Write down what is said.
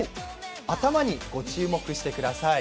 頭にご注目してください。